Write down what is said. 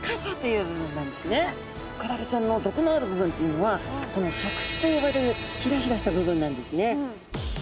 クラゲちゃんの毒のある部分というのはこの触手と呼ばれるヒラヒラした部分なんですね。